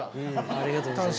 ありがとうございます。